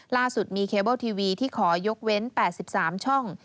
ล่าสุดมีเคเบิลทีวีที่ขอยกเว้น๘๓ช่อง